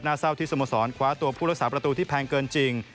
เศร้าที่สโมสรคว้าตัวผู้รักษาประตูที่แพงเกินจริง